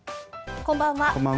こんばんは。